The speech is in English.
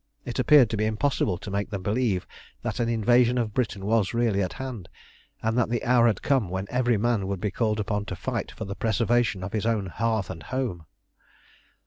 It appeared to be impossible to make them believe that an invasion of Britain was really at hand, and that the hour had come when every man would be called upon to fight for the preservation of his own hearth and home.